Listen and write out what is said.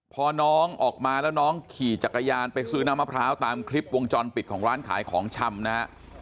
พอน้องออกมาแล้วน้องขี่จักรยานไปซื้อน้ำมะพร้าวตามคลิปวงจรปิดของร้านขายของชำนะฮะ